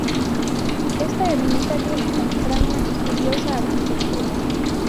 Esta ermita tiene una extraña y curiosa arquitectura.